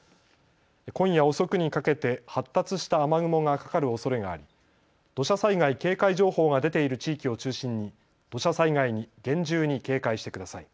今夜遅くにかけて発達した雨雲がかかるおそれがあり土砂災害警戒情報が出ている地域を中心に土砂災害に厳重に警戒してください。